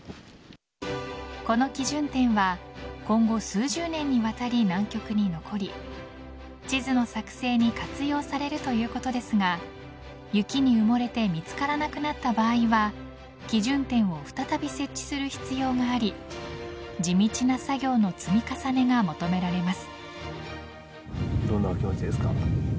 この基準点は今後数十年にわたり、南極に残り地図の作成に活用されるということですが雪に埋もれて見つからなくなった場合は基準点を再び設置する必要があり地道な作業の積み重ねが求められます。